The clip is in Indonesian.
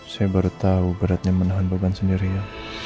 saya baru tahu beratnya menahan beban sendiri ya